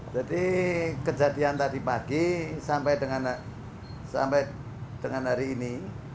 jadi kejadian tadi pagi sampai dengan hari ini